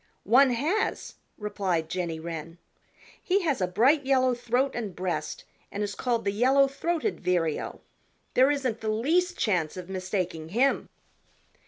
"One has," replied Jenny Wren. "He has a bright yellow throat and breast and is called the Yellow throated Vireo. There isn't the least chance of mistaking him."